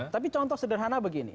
tapi contoh sederhana begini